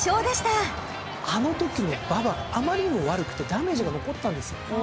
あのときの馬場があまりにも悪くてダメージが残ったんですよ。